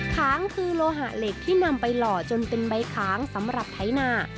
ค้างคือโลหะเหล็กที่นำไปหล่อจนเป็นใบค้างสำหรับไถนา